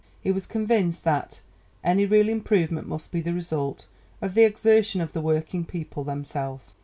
He was convinced that "any real improvement must be the result of the exertion of the working people themselves."